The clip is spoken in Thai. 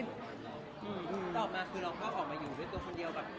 ต่อมาคือเราก็ออกมาอยู่ด้วยตัวคนเดียวแบบ